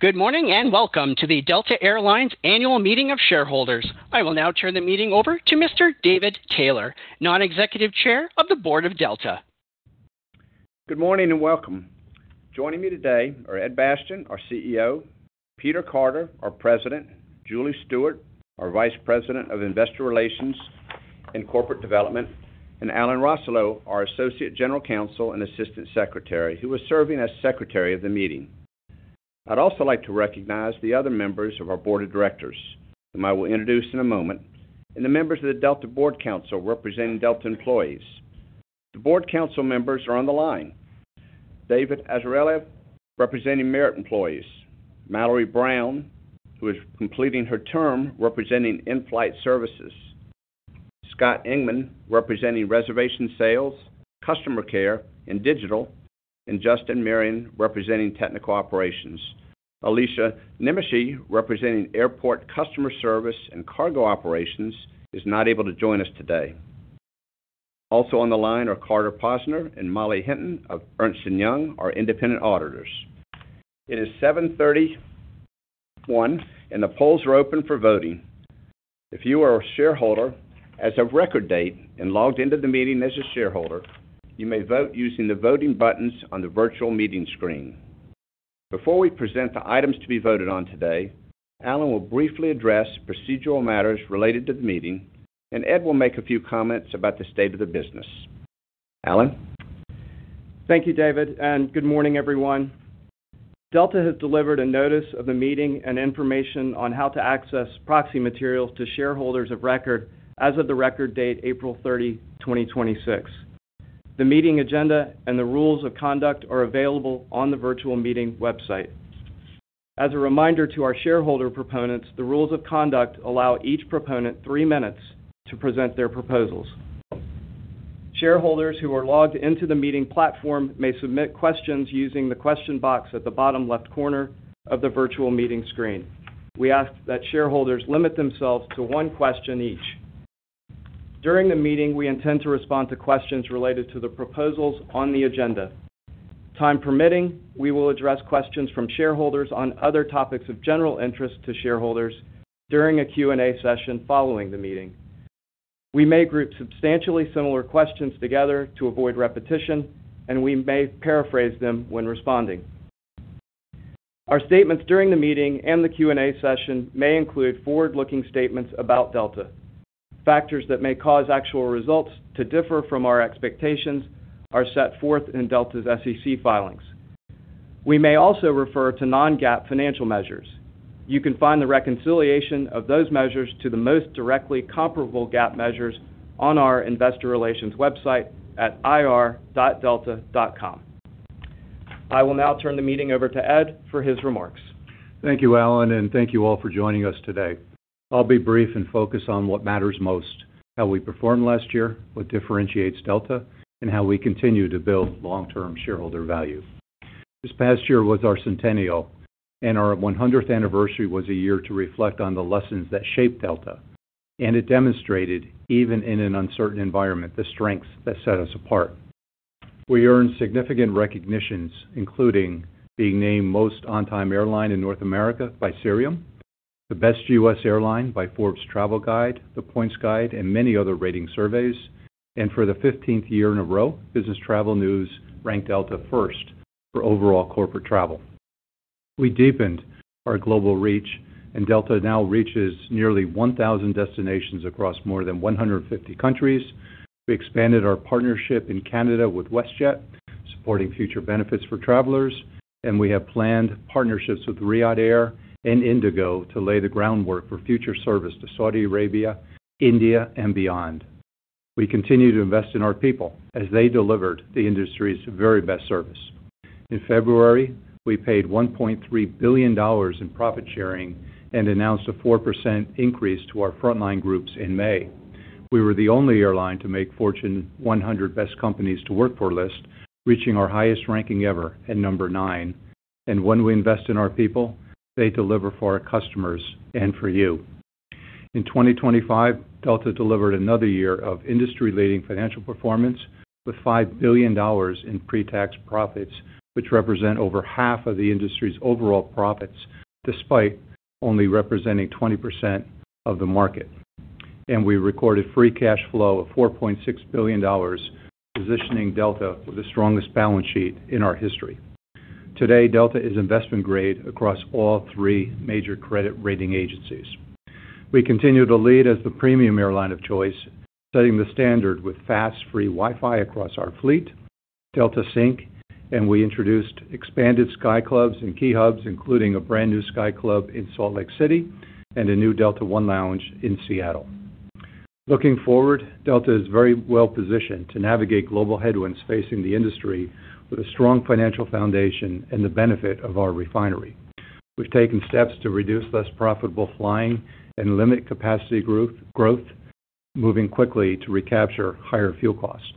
Good morning, welcome to the Delta Air Lines Annual Meeting of Shareholders. I will now turn the meeting over to Mr. David Taylor, Non-Executive Chair of the Board of Delta. Good morning, welcome. Joining me today are Ed Bastian, our CEO, Peter Carter, our President, Julie Stewart, our Vice President of Investor Relations and Corporate Development, Alan Russolo, our Associate General Counsel and Assistant Secretary, who is serving as Secretary of the meeting. I'd also like to recognize the other members of our Board of Directors, whom I will introduce in a moment, and the members of the Delta Board Council representing Delta employees. The Board Council members are on the line. David Azarelev, representing Merit Employees, Mallory Brown, who is completing her term representing In-Flight Services, Scott Engman, representing Reservation Sales, Customer Care, and Digital, Justin Marion, representing Technical Operations. Alicia Nimishi, representing Airport Customer Service and Cargo Operations, is not able to join us today. Also on the line are Carter Posner and Molly Hinton of Ernst & Young, our independent auditors. It is 7:31 A.M., the polls are open for voting. If you are a shareholder as of record date and logged into the meeting as a shareholder, you may vote using the voting buttons on the virtual meeting screen. Before we present the items to be voted on today, Alan will briefly address procedural matters related to the meeting, Ed will make a few comments about the state of the business. Alan? Thank you, David, good morning, everyone. Delta has delivered a notice of the meeting and information on how to access proxy materials to shareholders of record as of the record date, April 30, 2026. The meeting agenda and the rules of conduct are available on the virtual meeting website. As a reminder to our shareholder proponents, the rules of conduct allow each proponent three minutes to present their proposals. Shareholders who are logged into the meeting platform may submit questions using the question box at the bottom left corner of the virtual meeting screen. We ask that shareholders limit themselves to one question each. During the meeting, we intend to respond to questions related to the proposals on the agenda. Time permitting, we will address questions from shareholders on other topics of general interest to shareholders during a Q&A session following the meeting. We may group substantially similar questions together to avoid repetition. We may paraphrase them when responding. Our statements during the meeting and the Q&A session may include forward-looking statements about Delta. Factors that may cause actual results to differ from our expectations are set forth in Delta's SEC filings. We may also refer to non-GAAP financial measures. You can find the reconciliation of those measures to the most directly comparable GAAP measures on our investor relations website at ir.delta.com. I will now turn the meeting over to Ed for his remarks. Thank you, Alan. Thank you all for joining us today. I'll be brief and focus on what matters most, how we performed last year, what differentiates Delta, and how we continue to build long-term shareholder value. This past year was our centennial. Our 100th anniversary was a year to reflect on the lessons that shaped Delta. It demonstrated, even in an uncertain environment, the strengths that set us apart. We earned significant recognitions, including being named Most On Time Airline in North America by Cirium, the Best U.S. Airline by Forbes Travel Guide, The Points Guy, and many other rating surveys. For the 15th year in a row, Business Travel News ranked Delta first for overall corporate travel. We deepened our global reach. Delta now reaches nearly 1,000 destinations across more than 150 countries. We expanded our partnership in Canada with WestJet, supporting future benefits for travelers. We have planned partnerships with Riyadh Air and IndiGo to lay the groundwork for future service to Saudi Arabia, India, and beyond. We continue to invest in our people as they delivered the industry's very best service. In February, we paid $1.3 billion in profit-sharing and announced a 4% increase to our frontline groups in May. We were the only airline to make Fortune 100 Best Companies to Work For list, reaching our highest ranking ever at number nine. When we invest in our people, they deliver for our customers and for you. In 2025, Delta delivered another year of industry-leading financial performance with $5 billion in pre-tax profits, which represent over half of the industry's overall profits, despite only representing 20% of the market. We recorded free cash flow of $4.6 billion, positioning Delta with the strongest balance sheet in our history. Today, Delta is investment grade across all three major credit rating agencies. We continue to lead as the premium airline of choice, setting the standard with fast, free Wi-Fi across our fleet, Delta Sync. We introduced expanded Sky Clubs in key hubs, including a brand-new Sky Club in Salt Lake City and a new Delta One lounge in Seattle. Looking forward, Delta is very well-positioned to navigate global headwinds facing the industry with a strong financial foundation and the benefit of our refinery. We've taken steps to reduce less profitable flying and limit capacity growth, moving quickly to recapture higher fuel costs.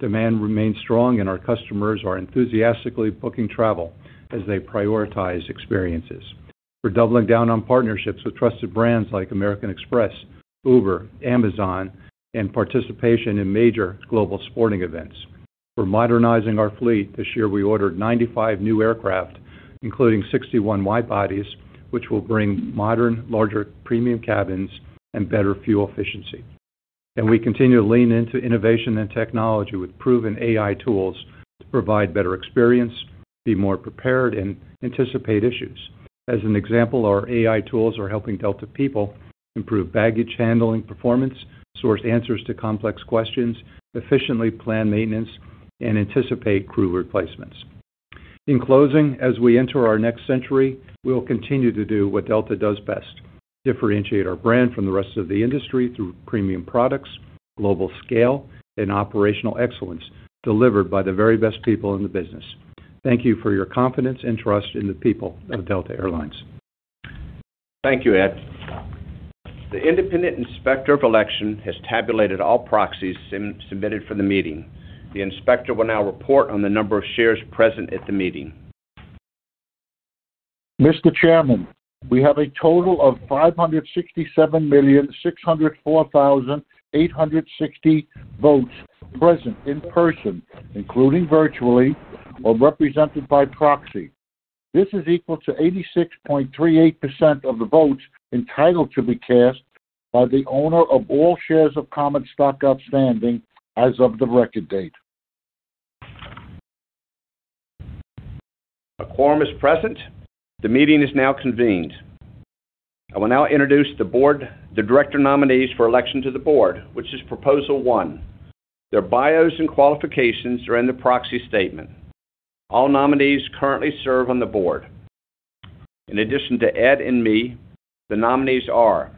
Demand remains strong. Our customers are enthusiastically booking travel as they prioritize experiences. We're doubling down on partnerships with trusted brands like American Express, Uber, Amazon, and participation in major global sporting events. We're modernizing our fleet. This year, we ordered 95 new aircraft, including 61 wide bodies, which will bring modern, larger premium cabins and better fuel efficiency. We continue to lean into innovation and technology with proven AI tools to provide better experience, be more prepared, and anticipate issues. As an example, our AI tools are helping Delta people improve baggage handling performance, source answers to complex questions, efficiently plan maintenance, and anticipate crew replacements. In closing, as we enter our next century, we will continue to do what Delta does best, differentiate our brand from the rest of the industry through premium products, global scale, and operational excellence delivered by the very best people in the business. Thank you for your confidence and trust in the people of Delta Air Lines. Thank you, Ed. The independent inspector of election has tabulated all proxies submitted for the meeting. The inspector will now report on the number of shares present at the meeting. Mr. Chairman, we have a total of 567,604,860 votes present in person, including virtually or represented by proxy. This is equal to 86.38% of the votes entitled to be cast by the owner of all shares of common stock outstanding as of the record date. A quorum is present. The meeting is now convened. I will now introduce the director nominees for election to the board, which is proposal one. Their bios and qualifications are in the proxy statement. All nominees currently serve on the board. In addition to Ed and me, the nominees are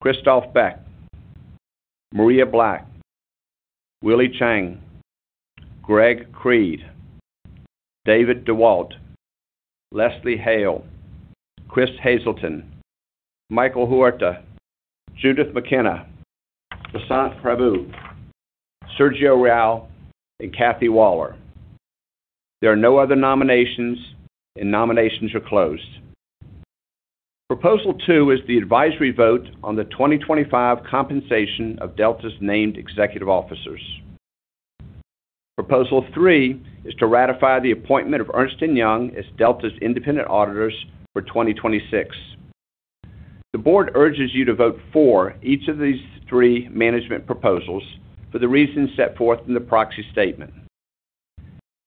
Christophe Beck, Maria Black, Willie Chiang, Greg Creed, David DeWalt, Leslie Hale, Chris Hazen, Michael Huerta, Judith McKenna, Vasant Prabhu, Sergio Rial, and Kathy Waller. There are no other nominations, and nominations are closed. Proposal two is the advisory vote on the 2025 compensation of Delta's named executive officers. Proposal three is to ratify the appointment of Ernst & Young as Delta's independent auditors for 2026. The board urges you to vote for each of these three management proposals for the reasons set forth in the proxy statement.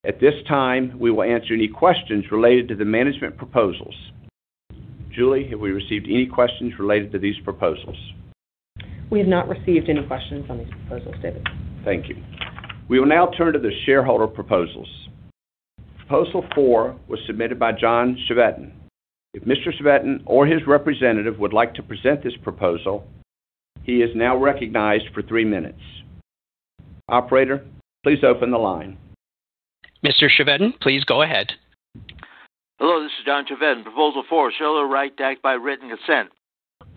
At this time, we will answer any questions related to the management proposals. Julie, have we received any questions related to these proposals? We have not received any questions on these proposals, David. Thank you. We will now turn to the shareholder proposals. Proposal four was submitted by John Chevedden. If Mr. Chevedden or his representative would like to present this proposal, he is now recognized for three minutes. Operator, please open the line. Mr. Chevedden, please go ahead. Hello, this is John Chevedden. Proposal 4, shareholder right to act by written consent.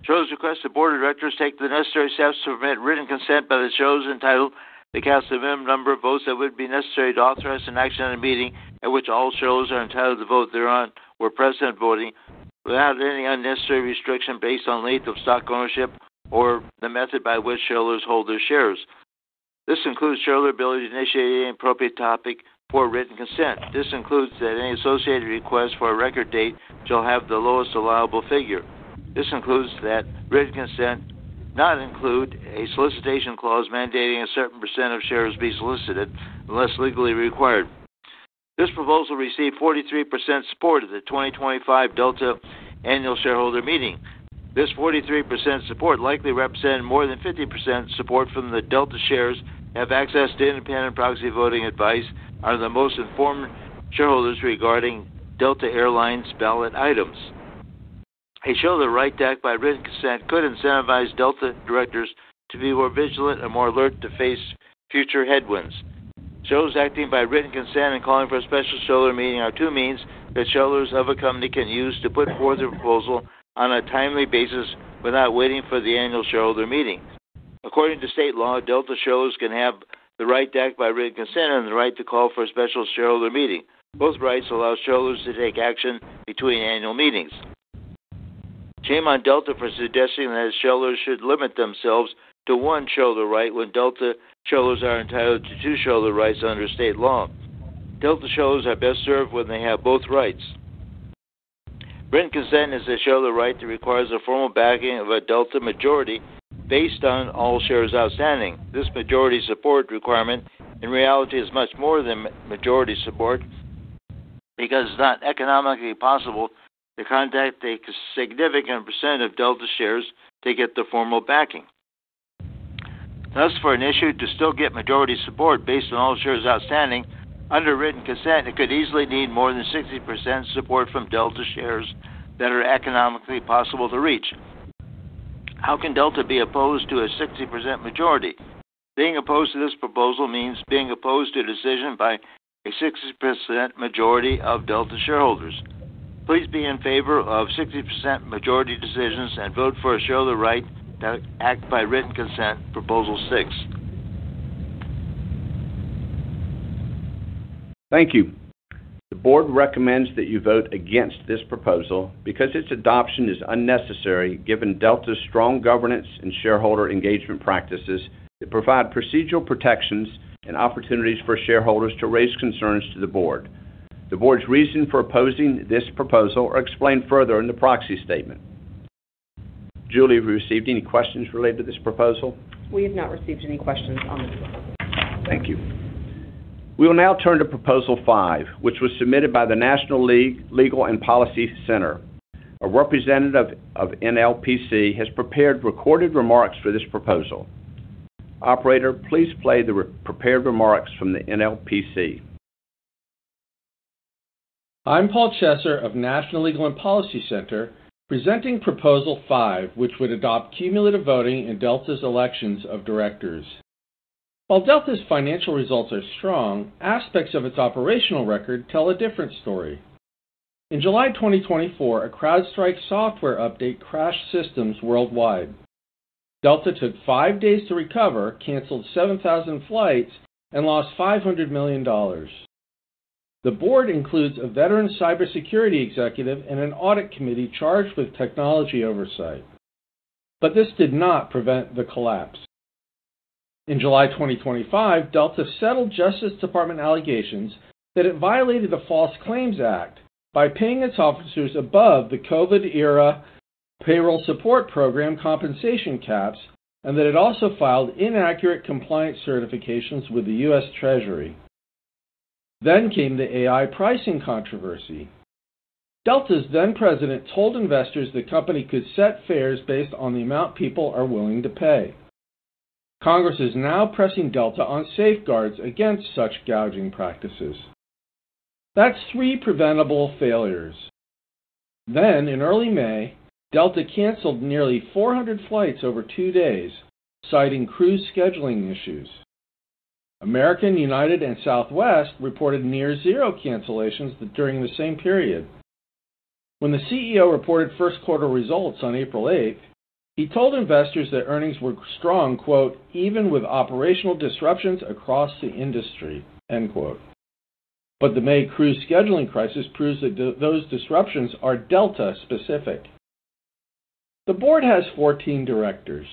Shareholders request the Board of Directors take the necessary steps to permit written consent by the shareholders entitled to cast the minimum number of votes that would be necessary to authorize an action at a meeting at which all shareholders are entitled to vote thereon were present at voting without any unnecessary restriction based on length of stock ownership or the method by which shareholders hold their shares. This includes shareholder ability to initiate any appropriate topic for a written consent. This includes that any associated request for a record date shall have the lowest allowable figure. This includes that written consent does not include a solicitation clause mandating a certain % of shares be solicited unless legally required. This proposal received 43% support at the 2025 Delta Annual Shareholder Meeting. This 43% support likely represented more than 50% support from the Delta shares have access to independent proxy voting advice are the most informed shareholders regarding Delta Air Lines ballot items. A shareholder right to act by written consent could incentivize Delta directors to be more vigilant and more alert to face future headwinds. Shareholders acting by written consent and calling for a special shareholder meeting are two means that shareholders of a company can use to put forth a proposal on a timely basis without waiting for the Annual Shareholder Meeting. According to state law, Delta shareholders can have the right to act by written consent and the right to call for a special shareholder meeting. Both rights allow shareholders to take action between Annual Meetings. Shame on Delta for suggesting that shareholders should limit themselves to one shareholder right when Delta shareholders are entitled to two shareholder rights under state law. Delta shareholders are best served when they have both rights. Written consent is a shareholder right that requires the formal backing of a Delta majority based on all shares outstanding. This majority support requirement, in reality, is much more than majority support because it's not economically possible to contact a significant % of Delta shares to get the formal backing. Thus, for an issue to still get majority support based on all shares outstanding, under written consent, it could easily need more than 60% support from Delta shares that are economically possible to reach. How can Delta be opposed to a 60% majority? Being opposed to this proposal means being opposed to a decision by a 60% majority of Delta shareholders. Please be in favor of 60% majority decisions and vote for a shareholder right to act by written consent, Proposal 4. Thank you. The board recommends that you vote against this proposal because its adoption is unnecessary given Delta's strong governance and shareholder engagement practices that provide procedural protections and opportunities for shareholders to raise concerns to the board. The board's reason for opposing this proposal are explained further in the proxy statement. Julie, have you received any questions related to this proposal? We have not received any questions on the proposal. Thank you. We will now turn to Proposal 5, which was submitted by the National Legal and Policy Center. A representative of NLPC has prepared recorded remarks for this proposal. Operator, please play the prepared remarks from the NLPC. I'm Paul Chesser of National Legal and Policy Center, presenting Proposal 5, which would adopt cumulative voting in Delta's elections of directors. While Delta's financial results are strong, aspects of its operational record tell a different story. In July 2024, a CrowdStrike software update crashed systems worldwide. Delta took five days to recover, canceled 7,000 flights, and lost $500 million. The board includes a veteran cybersecurity executive and an audit committee charged with technology oversight. This did not prevent the collapse. In July 2025, Delta settled Justice Department allegations that it violated the False Claims Act by paying its officers above the COVID era Payroll Support Program compensation caps, and that it also filed inaccurate compliance certifications with the U.S. Treasury. Came the AI pricing controversy. Delta's then president told investors the company could set fares based on the amount people are willing to pay. Congress is now pressing Delta on safeguards against such gouging practices. That's three preventable failures. In early May, Delta canceled nearly 400 flights over two days, citing crew scheduling issues. American, United, and Southwest reported near zero cancellations during the same period. When the CEO reported first quarter results on April 8th, he told investors that earnings were strong, quote, "Even with operational disruptions across the industry," end quote. The May crew scheduling crisis proves that those disruptions are Delta specific. The board has 14 directors.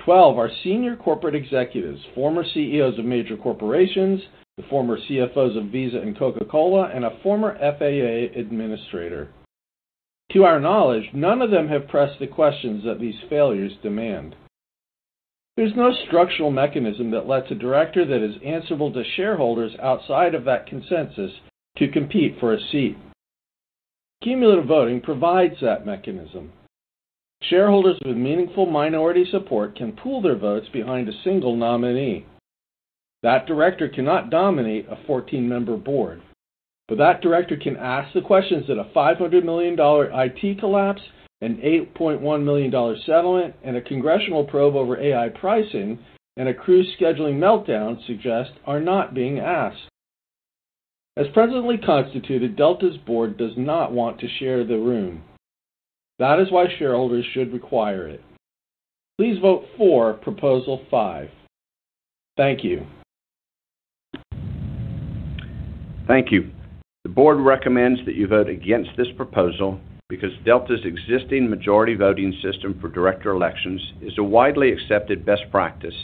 Twelve are senior corporate executives, former CEOs of major corporations, the former CFOs of Visa and Coca-Cola, and a former FAA administrator. To our knowledge, none of them have pressed the questions that these failures demand. There's no structural mechanism that lets a director that is answerable to shareholders outside of that consensus to compete for a seat. Cumulative voting provides that mechanism. Shareholders with meaningful minority support can pool their votes behind a single nominee. That director cannot dominate a 14-member board, but that director can ask the questions that a $500 million IT collapse, an $8.1 million settlement, and a congressional probe over AI pricing, and a crew scheduling meltdown suggest are not being asked. As presently constituted, Delta's board does not want to share the room. That is why shareholders should require it. Please vote for Proposal 5. Thank you. Thank you. The board recommends that you vote against this proposal because Delta's existing majority voting system for director elections is a widely accepted best practice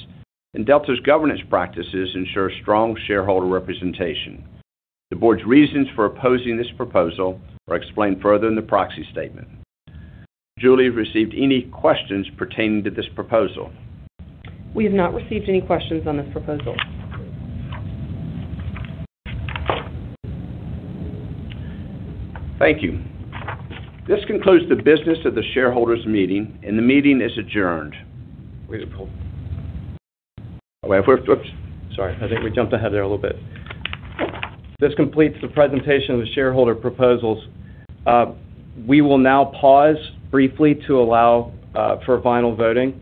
and Delta's governance practices ensure strong shareholder representation. The board's reasons for opposing this proposal are explained further in the proxy statement. Julie, have you received any questions pertaining to this proposal? We have not received any questions on this proposal. Thank you. This concludes the business of the shareholders meeting, and the meeting is adjourned. Wait. Whoops. Sorry, I think we jumped ahead there a little bit. This completes the presentation of the shareholder proposals. We will now pause briefly to allow for final voting.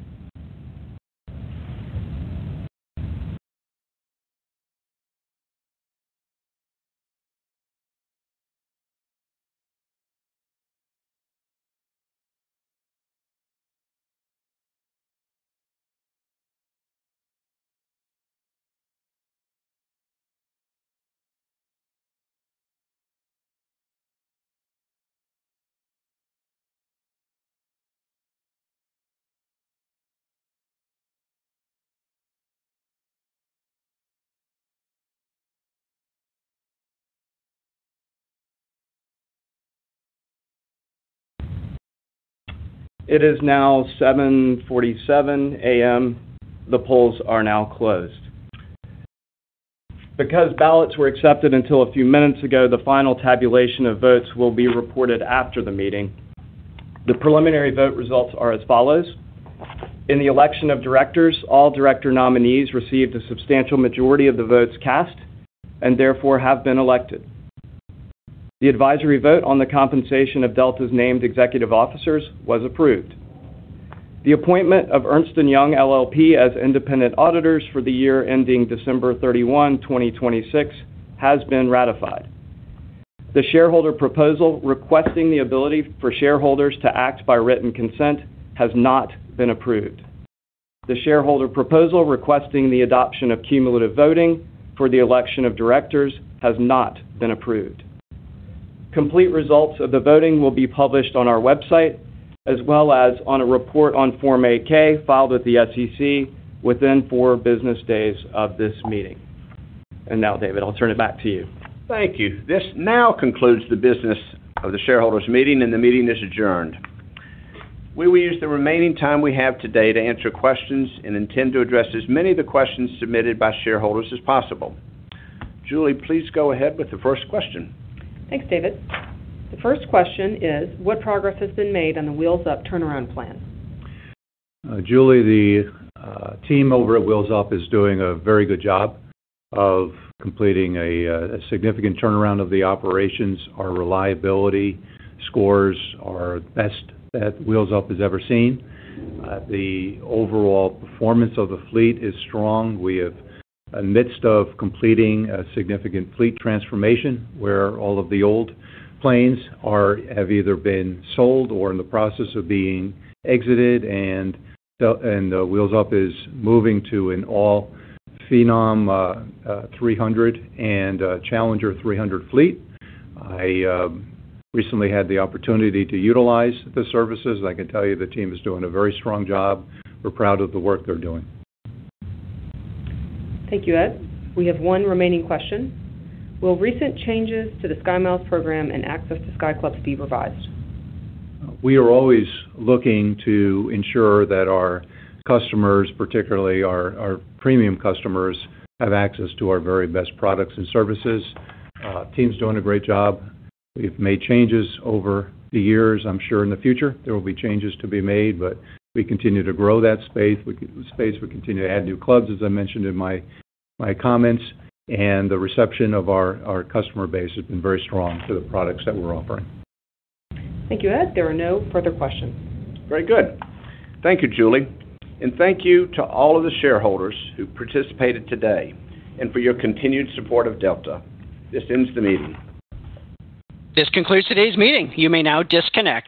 It is now 7:47 A.M. The polls are now closed. Because ballots were accepted until a few minutes ago, the final tabulation of votes will be reported after the meeting. The preliminary vote results are as follows. In the election of directors, all director nominees received a substantial majority of the votes cast and therefore have been elected. The advisory vote on the compensation of Delta's named executive officers was approved. The appointment of Ernst & Young LLP as independent auditors for the year ending December 31, 2026 has been ratified. The shareholder proposal requesting the ability for shareholders to act by written consent has not been approved. The shareholder proposal requesting the adoption of cumulative voting for the election of directors has not been approved. Complete results of the voting will be published on our website as well as on a report on Form 8-K filed with the SEC within four business days of this meeting. Now, David, I'll turn it back to you. Thank you. This now concludes the business of the shareholders meeting, and the meeting is adjourned. We will use the remaining time we have today to answer questions and intend to address as many of the questions submitted by shareholders as possible. Julie, please go ahead with the first question. Thanks, David. The first question is: What progress has been made on the Wheels Up turnaround plan? Julie, the team over at Wheels Up is doing a very good job of completing a significant turnaround of the operations. Our reliability scores are the best that Wheels Up has ever seen. The overall performance of the fleet is strong. We have, amidst of completing a significant fleet transformation where all of the old planes have either been sold or in the process of being exited, and Wheels Up is moving to an all-Phenom 300 and Challenger 300 fleet. I recently had the opportunity to utilize the services. I can tell you the team is doing a very strong job. We're proud of the work they're doing. Thank you, Ed. We have one remaining question. Will recent changes to the SkyMiles program and access to Sky Club be revised? We are always looking to ensure that our customers, particularly our premium customers, have access to our very best products and services. Team's doing a great job. We've made changes over the years. I'm sure in the future, there will be changes to be made, but we continue to grow that space. We continue to add new Sky Clubs, as I mentioned in my comments, and the reception of our customer base has been very strong to the products that we're offering. Thank you, Ed. There are no further questions. Very good. Thank you, Julie. Thank you to all of the shareholders who participated today and for your continued support of Delta. This ends the meeting. This concludes today's meeting. You may now disconnect.